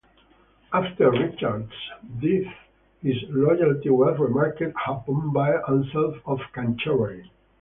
After Richard's death his loyalty was remarked upon by Anselm of Canterbury.